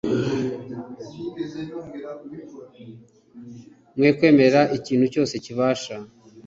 mwe kwemerera ikintu cyose kibasha